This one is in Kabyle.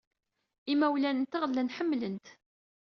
Imawlan-nteɣ llan ḥemmlen-t.